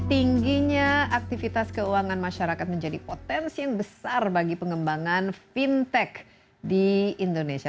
tingginya aktivitas keuangan masyarakat menjadi potensi yang besar bagi pengembangan fintech di indonesia